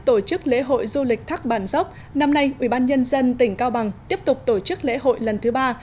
tổ chức lễ hội du lịch thác bản dốc năm nay ubnd tỉnh cao bằng tiếp tục tổ chức lễ hội lần thứ ba